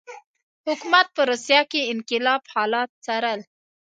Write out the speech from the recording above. حکومت په روسیه کې انقلاب حالات څارل.